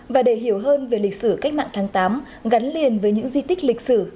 và để hiểu hơn về lịch sử cách mạng tháng tám gắn liền với những di tích lịch sử